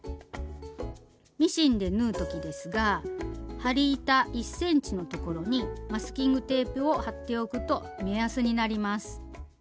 ミシンで縫う時ですが針板１ｃｍのところにマスキングテープを貼っておくと目安になります。